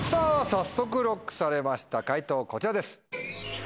早速ＬＯＣＫされました解答こちらです。